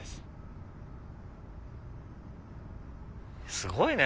すごいね！